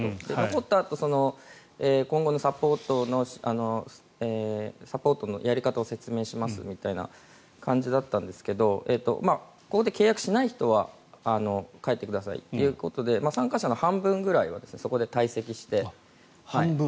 残ったあと今後のサポートのやり方を説明しますみたいな感じだったんですけどここで契約しない人は帰ってくださいということで参加者の半分ぐらいはそこで退席して。